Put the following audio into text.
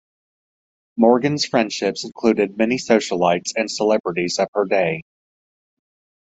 Morgan's friendships included many socialites and celebrities of her day.